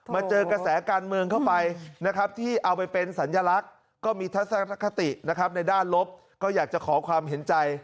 เจอกระแสการเมืองเข้าไปนะครับที่เอาไปเป็นสัญลักษณ์ก็มีทัศนคตินะครับในด้านลบก็อยากจะขอความเห็นใจ